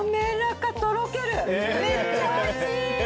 めっちゃおいしい！